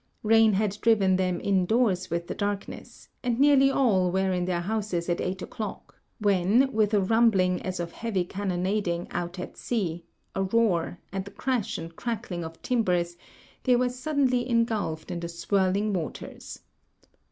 Rain had driven them indoors with the darkness, and nearly all were in their houses at eight o'clock, when, with a rumbling as of heavy cannonading out at sea, a roar, and the crash and crackling of timbers, they were suddenl}'^ engulfed in the swirl ing waters.